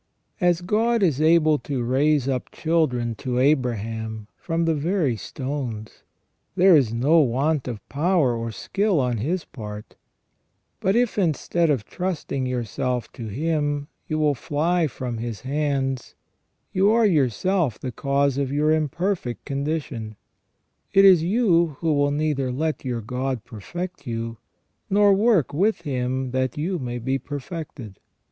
As God is able to raise up children to Abraham from the very stones, there is no want of power or skill on His part ; but if, instead of trusting yourself to Him, you will fly from His hands, you are yourself the cause of your imperfect condition ; it is you who will neither let your God perfect you, nor work with Him that you may be perfected.